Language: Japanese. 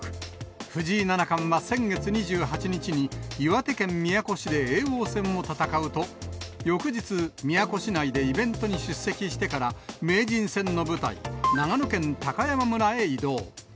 藤井七冠は先月２８日に岩手県宮古市で叡王戦を戦うと、翌日、宮古市内でイベントに出席してから名人戦の舞台、長野県高山村へ移動。